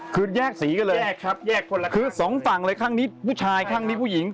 คือแยกสีก็เลยคือสองฝั่งเลยข้างนี้ผู้ชายข้างนี้ผู้หญิง